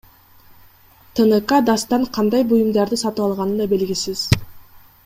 ТНК Дастан кандай буюмдарды сатып алганы да белгисиз.